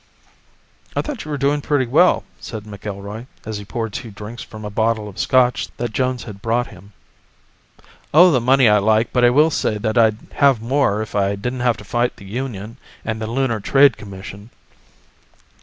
"I thought you were doing pretty well," said McIlroy, as he poured two drinks from a bottle of Scotch that Jones had brought him. "Oh, the money I like, but I will say that I'd have more if I didn't have to fight the union and the Lunar Trade Commission."